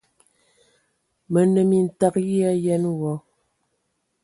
Mə anə mintag yi ayen wɔ!